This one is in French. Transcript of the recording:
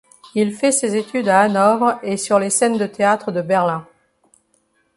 Il fait ses études à Hanovre et sur les scènes de théâtre de Berlin.